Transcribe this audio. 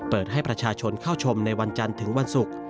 เปิดให้ประชาชนเข้าชมในวันจันทร์ถึงวันศุกร์